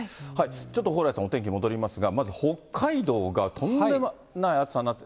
ちょっと蓬莱さん、お天気戻りますが、まず北海道がとんでもない暑さになって。